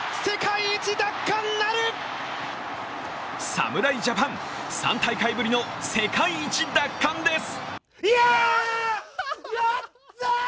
侍ジャパン、３大会ぶりの世界一奪還です。